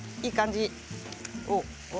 いい感じ。